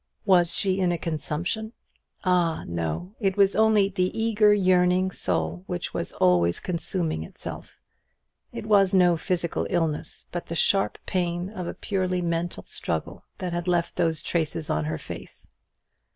Was she in a consumption? Ah, no; it was only the eager yearning soul which was always consuming itself; it was no physical illness, but the sharp pain of a purely mental struggle that had left those traces on her face.